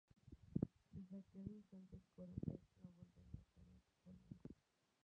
Desde aquel instante Kurogane no volvería a ser un tipo ordinario.